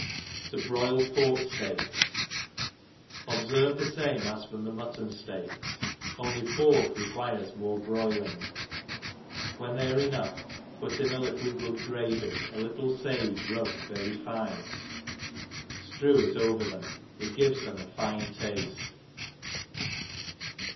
T^? ^m/ Pork Steaks. OBSERVE the fame as for the mutton (leaks^ only pork requires more broihng ; when they are enough, put in a little good gravy; a little fage rubbed very fine ftrewed over them gives them ^ fine tafte.